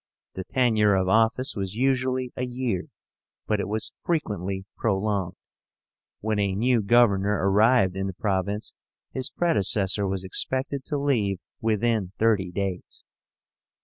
The tenure of office was usually a year, but it was frequently prolonged. When a new governor arrived in the province, his predecessor was expected to leave within thirty days.